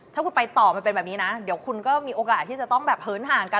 ถ้าคุณไปต่อมันเป็นแบบนี้นะเดี๋ยวคุณก็มีโอกาสที่จะต้องแบบเหินห่างกัน